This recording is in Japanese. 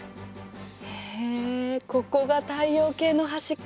へえここが太陽系の端か。